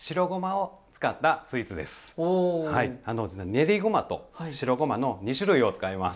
練りごまと白ごまの２種類を使います。